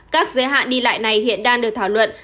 các giới hạn đi lại này hiện đang được thảo luận